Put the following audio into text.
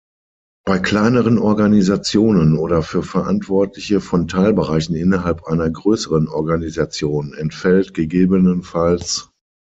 Bei kleineren Organisationen oder für Verantwortliche von Teilbereichen innerhalb einer größeren Organisation entfällt ggf.